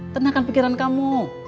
tenangkan pikiran kamu